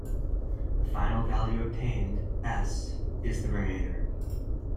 The final value obtained, "s", is the remainder.